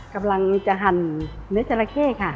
กำลังจะหั่นเนื้อจราเข้ค่ะ